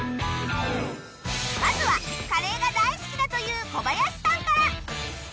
まずはカレーが大好きだという小林さんから